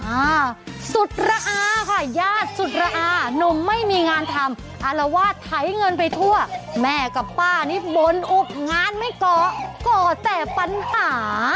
อ่าสุดระอาค่ะญาติสุดระอาหนุ่มไม่มีงานทำอารวาสไถเงินไปทั่วแม่กับป้านี่บนอุบงานไม่ก่อก่อแต่ปัญหา